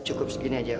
cukup segini aja